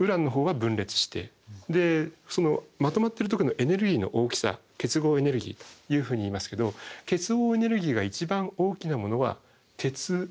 まとまってる時のエネルギーの大きさ結合エネルギーというふうにいいますけど結合エネルギーが一番大きなものは鉄になるんですね。